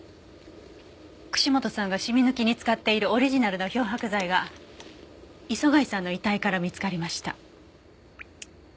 串本さんがシミ抜きに使っているオリジナルの漂白剤が磯貝さんの遺体から見つかりました。